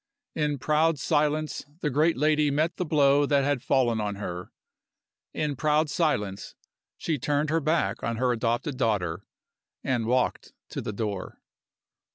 In proud silence the great lady met the blow that had fallen on her. In proud silence she turned her back on her adopted daughter and walked to the door.